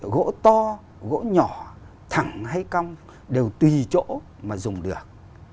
gỗ to gỗ nhỏ thẳng hay cong đều tùy chỗ mà dùng được